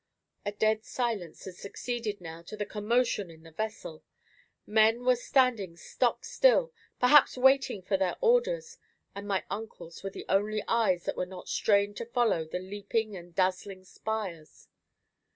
A dead silence had succeeded now to the commotion in the vessel; men were standing stock still, perhaps waiting for their orders, and my uncle's were the only eyes that were not strained to follow the leaping and dazzling spires.